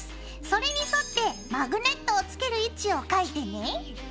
それに沿ってマグネットを付ける位置を描いてね。